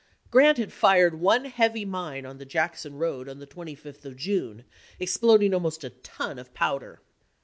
Grant had fired one heavy mine on the Jackson road on the 25th of June, ex ploding almost a ton of powder.